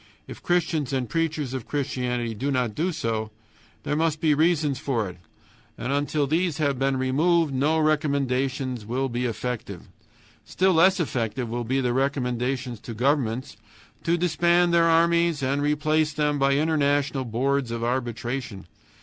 If Christians and preachers of Christianity do not do so, there must be reasons for it. And until these have been removed no recommendations will be effective. Still less effective will be the recommendations to governments to disband their armies and replace them by international boards of arbitration.